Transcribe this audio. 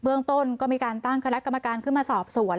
เรื่องต้นก็มีการตั้งคณะกรรมการขึ้นมาสอบสวน